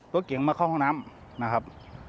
ตัวเกียร์มันเข้าห้องน้ำนะครับ